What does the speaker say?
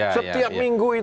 setiap minggu itu